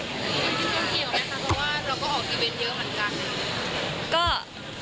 พี่หนีออกมาทำเพราะว่าเราก็ออกอีเวนต์เยอะเหมือนกัน